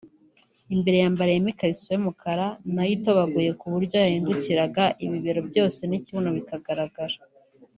Imbere yambariyemo ikariso y’umukara nayo itobaguye ku buryo yahindukiraga ibibero byose n’ikibuno bikagaragara